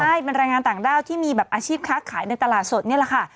ใช่เป็นแรงงานต่างด้าวที่มีแบบอาชีพค้าขายในตลาดสดนี่แหละค่ะ